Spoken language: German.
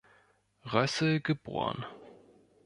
Rössel geboren.